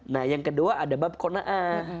nah yang kedua ada bab qona'ah